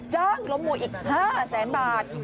จ้างล้มมวยอีก๕แสนบาท